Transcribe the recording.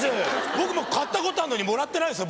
僕も買ったことあるのにもらってないですよ